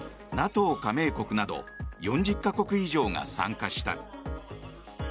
加盟国など４０か国以上が参加した。